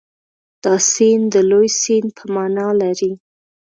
دا سیند د لوی سیند په معنا لري.